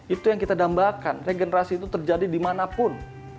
itu yang kita dambakan regenerasi itu terjadi dimanapun